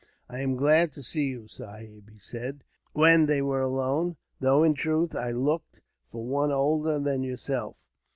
"I am glad to see you, Sahib," he said, when they were alone; "though, in truth, I looked for one older than yourself.